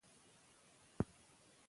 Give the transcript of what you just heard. کوم شی ستا ذهن ډېر بوخت ساتي؟